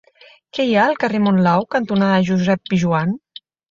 Què hi ha al carrer Monlau cantonada Josep Pijoan?